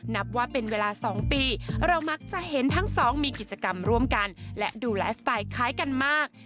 นับว่าเป็นเวลา๒ปีเรามักจะเห็นทั้งสองมีกิจกรรมร่วมกันและดูไลฟ์สไตล์คล้ายกันมาก